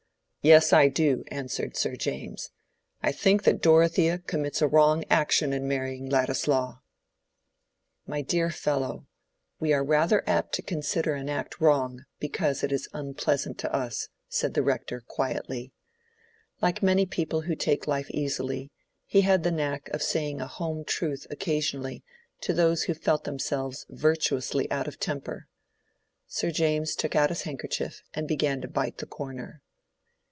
"Yes, I do," answered Sir James. "I think that Dorothea commits a wrong action in marrying Ladislaw." "My dear fellow, we are rather apt to consider an act wrong because it is unpleasant to us," said the Rector, quietly. Like many men who take life easily, he had the knack of saying a home truth occasionally to those who felt themselves virtuously out of temper. Sir James took out his handkerchief and began to bite the corner.